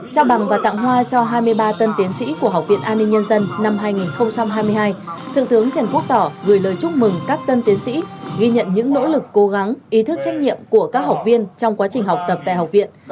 trao bằng và tặng hoa cho hai mươi ba tân tiến sĩ của học viện an ninh nhân dân năm hai nghìn hai mươi hai thượng tướng trần quốc tỏ gửi lời chúc mừng các tân tiến sĩ ghi nhận những nỗ lực cố gắng ý thức trách nhiệm của các học viên trong quá trình học tập tại học viện